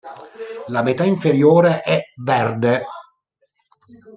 La metà inferiore è verde.